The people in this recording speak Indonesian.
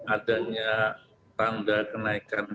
adanya tanda kenaikan